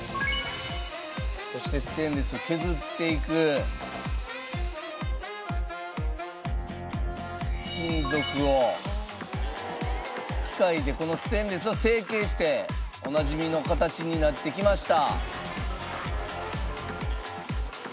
「そしてステンレスを削っていく」「金属を機械でこのステンレスを成形しておなじみの形になってきました」